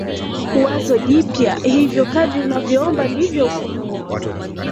wazo jipya Hivyo kadri unavyoomba ndivyo ufunuo